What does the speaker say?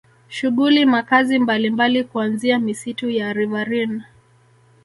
Shughuli makazi mbalimbali kuanzia misitu ya riverine